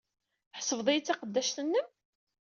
Tḥesbed-iyi d taqeddact-nnem?